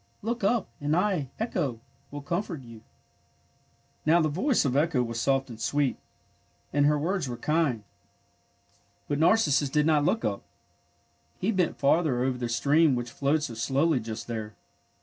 Look up, and I, Echo, will comfort you! " Now the voice of Echo was soft and sweet, and her words were kind, but Narcissus did NARCISSUS 27 not look up. He bent farther over the stream which flowed so slowly just there.